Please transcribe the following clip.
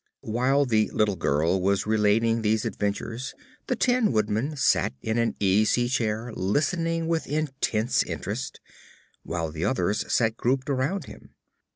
While the little girl was relating these adventures the Tin Woodman sat in an easy chair listening with intense interest, while the others sat grouped around him.